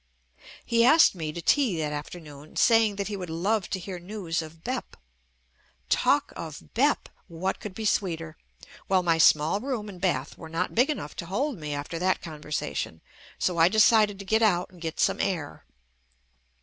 He asked me to tea that afternoon, saying that he would love to hear news of "Bep." Talk of "Bep"! What could be sweeter. Well my small room and bath were not big enough to hold me after that con versation, so I decided to get out and get some air.